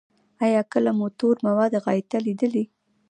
ایا کله مو تور مواد غایطه لیدلي؟